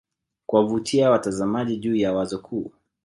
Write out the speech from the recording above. kuwavutia watazamaji juu ya wazo kuu